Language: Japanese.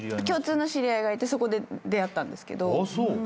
共通の知り合いがいてそこで出会ったんです。